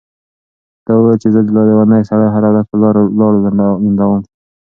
ده وويل چې زه دا لېونی سړی هره ورځ په لاړو لندوم.